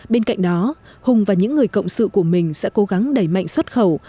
bên cạnh đó hùng và những người cộng sự của mình sẽ cố gắng đẩy mạnh xuất khẩu